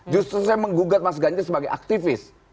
justru saya menggugat mas ganjar sebagai aktivis